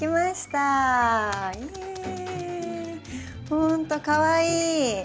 ほんとかわいい！